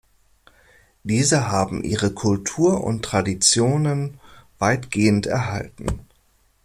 Diese haben ihre Kultur und Traditionen weitgehend erhalten.